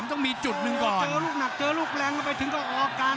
มันต้องมีจุดนึงก่อนโอ้โหเจอลูกหนักเจอลูกแรงมันไปถึงก็ออกอาการ